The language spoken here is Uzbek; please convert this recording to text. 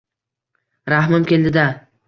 Rahmim keldi-da